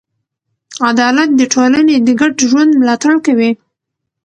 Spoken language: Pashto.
عدالت د ټولنې د ګډ ژوند ملاتړ کوي.